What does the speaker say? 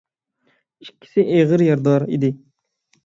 ئىككىسى ئېغىر يارىدار ئىدى.